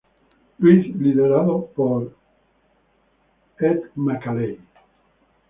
Louis, liderados por Ed Macauley.